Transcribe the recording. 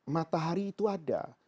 matahari itu ada